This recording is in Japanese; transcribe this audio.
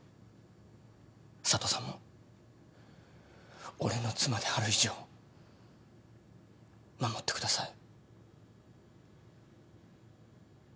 佐都さんも俺の妻である以上守ってください。